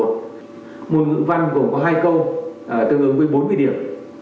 môn ngữ văn gồm có hai câu tương ứng với bốn mươi điểm